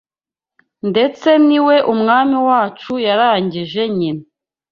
ndetse ni we Umwami wacu yaragije nyina